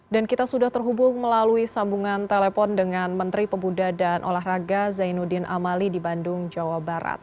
dan kita sudah terhubung melalui sambungan telepon dengan menteri pemuda dan olahraga zainuddin amali di bandung jawa barat